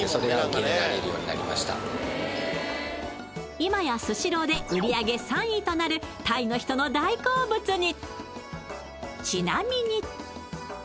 今やスシローで売り上げ３位となるタイの人の大好物に。